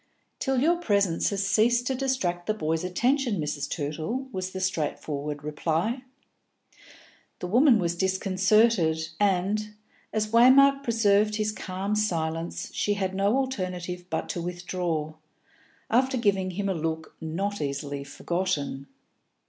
"Till your presence has ceased to distract the boys' attention, Mrs. Tootle," was the straightforward reply. The woman was disconcerted, and, as Waymark preserved his calm silence, she had no alternative but to withdraw, after giving him a look not easily forgotten.